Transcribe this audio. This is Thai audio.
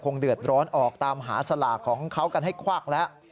เดือดร้อนออกตามหาสลากของเขากันให้ควักแล้ว